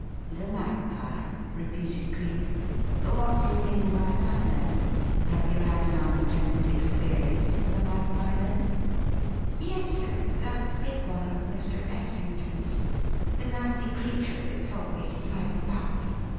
"The magpie?" repeated Cleek. "What do you mean by that, Nurse? Have you had an unpleasant experience with a magpie, then?" "Yes, sir, that big one of Mr. Essington's: the nasty creature that's always flying about.